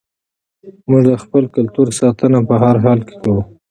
موږ د خپل کلتور ساتنه په هر حال کې کوو.